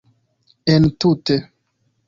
entute